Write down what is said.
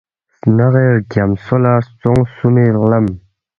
سناغی رگیامژھو لو ستونگ خسُومی لم،